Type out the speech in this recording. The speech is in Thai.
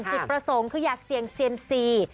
จุดประสงค์คืออยากเสี่ยงเซียมซี